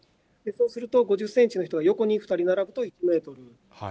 そうすると、５０センチの人が横に２人並ぶと１メートル。